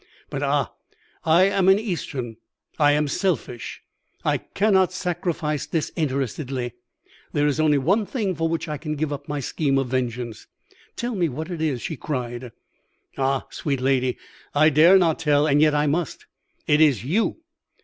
But, ah! I am an Eastern. I am selfish; I cannot sacrifice disinterestedly. There is only one thing for which I can give up my scheme of vengeance.' "'Tell me what it is,' she cried. "'Ah, sweet lady, I dare not tell; and yet I must. It is you.